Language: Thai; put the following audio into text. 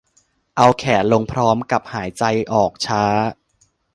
เอาแขนลงพร้อมกับหายใจออกช้า